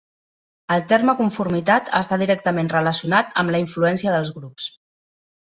El terme conformitat està directament relacionat amb la influència dels grups.